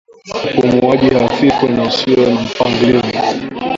Upumuaji hafifu na usio na mpangilio